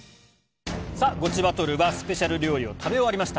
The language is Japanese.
さあ、ゴチバトルはスペシャル料理を食べ終わりました。